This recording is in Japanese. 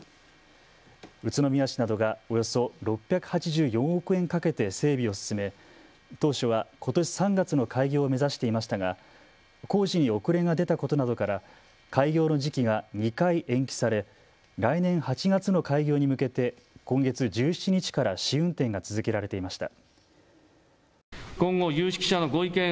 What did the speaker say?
宇都宮市などがおよそ６８４億円かけて整備を進め当初はことし３月の開業を目指していましたが工事に遅れが出たことなどから開業の時期が２回延期され来年８月の開業に向けて今月１７日から試運転が続けられていました。